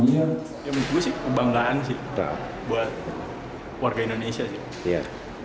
menurut gue sih kebanggaan sih buat warga indonesia